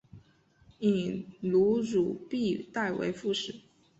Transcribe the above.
以卢汝弼代为副使。